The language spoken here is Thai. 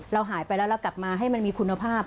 เราหายไปแล้วเรากลับมาให้มันมีคุณภาพ